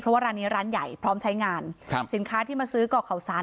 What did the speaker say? เพราะว่าร้านนี้ร้านใหญ่พร้อมใช้งานครับสินค้าที่มาซื้อก่อข่าวสาร